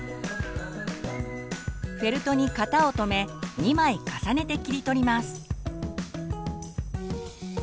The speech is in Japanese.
フェルトに型をとめ２枚重ねて切り取ります。